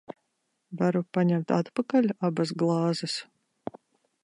Varu paņemt atpakaļ abas glāzes?